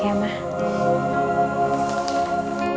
aku akan balik dulu